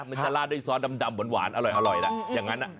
มันจะลาดด้วยซอสดำหวานอร่อยล่ะอย่างนั้น